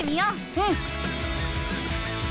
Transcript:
うん。